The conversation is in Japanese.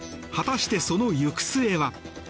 果たして、その行く末は。